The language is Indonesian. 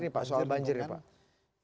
ini pak soal banjir ya pak